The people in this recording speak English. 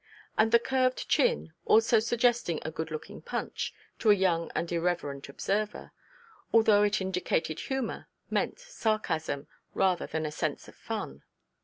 And the curved chin (also suggesting a good looking Punch, to a young and irreverent observer), although it indicated humour, meant sarcasm, rather than a sense of fun.